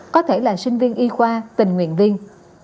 có thể là sinh viên y khoa tình nguyện viên